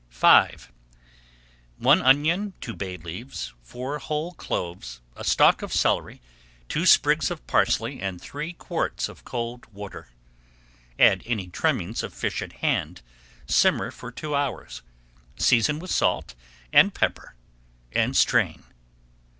V One onion, two bay leaves, four whole cloves, a stalk of celery, two sprigs of parsley and three quarts of cold water. Add any trimmings of fish at hand, simmer for two hours, season with salt and pepper, and strain.